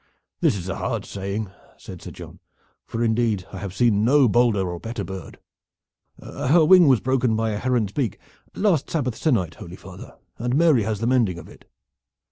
"This is a hard saying," said Sir John; "for indeed I have seen no bolder better bird. Her wing was broken by a heron's beak last Sabbath sennight, holy father, and Mary has the mending of it."